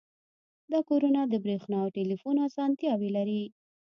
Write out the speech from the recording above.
دا کورونه د بریښنا او ټیلیفون اسانتیاوې لري